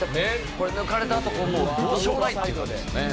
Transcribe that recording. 「これ抜かれたあとどうしようもないという」